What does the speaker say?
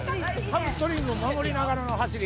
ハムストリングを守りながらの走り。